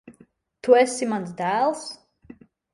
Tu esi mans dēls?